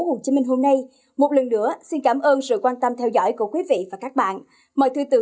hồ chí minh hôm nay một lần nữa xin cảm ơn sự quan tâm theo dõi của quý vị và các bạn mời thư từ